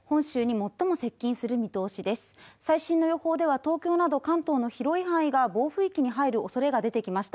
最新の予報では東京など関東の広い範囲が暴風域に入る恐れが出てきました